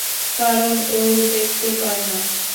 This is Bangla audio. কারণ ও দেখতে পায় না।